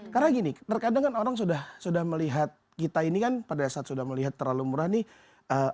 karena gini terkadang kan orang sudah melihat kita ini kan pada saat sudah melihat terlalu murah nih